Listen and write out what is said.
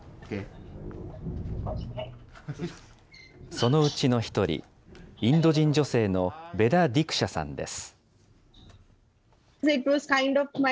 そのうちの一人、インド人女性のヴェダ・ディクシャさんです。